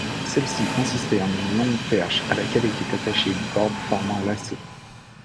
Celle-ci consistait en une longue perche à laquelle était attachée une corde formant lasso.